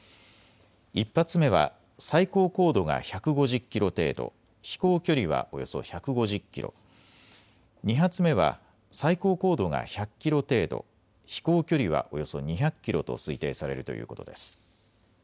１発目は最高高度が１５０キロ程度、飛行距離はおよそ１５０キロ、２発目は最高高度が１００キロ程度、飛行距離はおよそ２００キロと推定されるということです。